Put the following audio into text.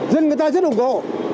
dân người ta rất ủng hộ